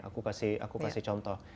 aku kasih contoh